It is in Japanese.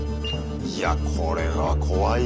いやこれは怖いぞ。